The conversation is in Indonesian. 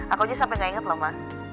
aku aja sampai gak inget loh man